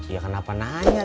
ya kenapa nanya